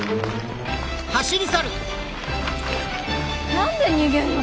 何で逃げんの？